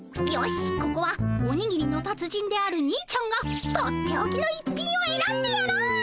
よしここはおにぎりの達人であるにいちゃんがとっておきの逸品をえらんでやろう！